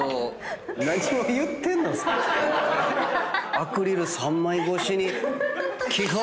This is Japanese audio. アクリル３枚越しに。